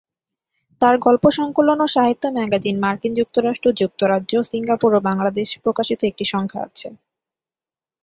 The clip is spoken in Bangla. তার গল্প সংকলন ও সাহিত্য ম্যাগাজিন মার্কিন যুক্তরাষ্ট্র, যুক্তরাজ্য, সিঙ্গাপুর ও বাংলাদেশে প্রকাশিত একটি সংখ্যা আছে।